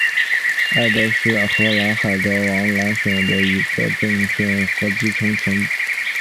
埃德是荷兰海尔德兰省的一个镇和基层政权。